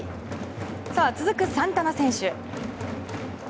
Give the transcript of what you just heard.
続くサンタナ選手。